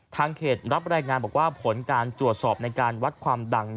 เขตรับรายงานบอกว่าผลการตรวจสอบในการวัดความดัง